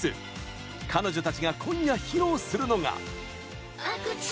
彼女たちが今夜披露するのが。